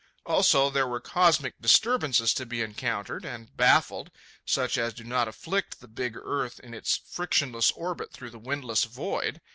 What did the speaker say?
Also, there were cosmic disturbances to be encountered and baffled, such as do not afflict the big earth in its frictionless orbit through the windless void.